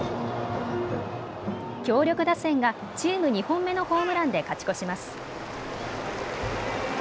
強力打線がチーム２本目のホームランで勝ち越します。